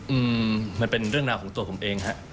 มันเป็นเรื่องราวของตัวผมเองฮะ